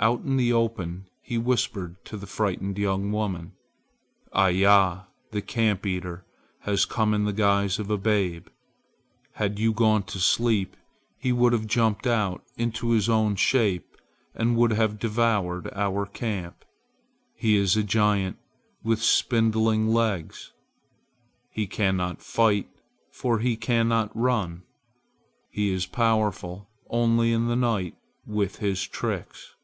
Out in the open he whispered to the frightened young woman: "Iya, the camp eater, has come in the guise of a babe. Had you gone to sleep, he would have jumped out into his own shape and would have devoured our camp. He is a giant with spindling legs. He cannot fight, for he cannot run. He is powerful only in the night with his tricks.